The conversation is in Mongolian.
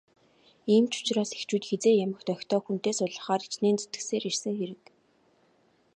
Ийм ч учраас эхчүүд хэзээ ямагт охидоо хүнтэй суулгахаар хичээн зүтгэсээр ирсэн хэрэг.